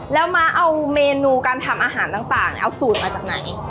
แล้วม้าเอาเมนูการทำอาหารต่างเอาสูตรมาจากไหน